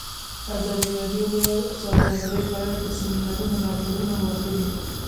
ازادي راډیو د سوداګري په اړه د سیمینارونو راپورونه ورکړي.